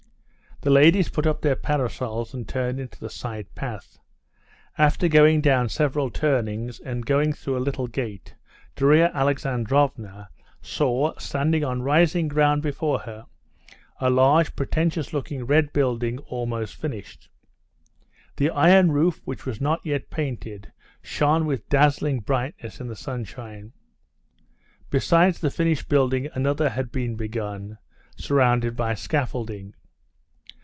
The ladies put up their parasols and turned into the side path. After going down several turnings, and going through a little gate, Darya Alexandrovna saw standing on rising ground before her a large pretentious looking red building, almost finished. The iron roof, which was not yet painted, shone with dazzling brightness in the sunshine. Beside the finished building another had been begun, surrounded by scaffolding.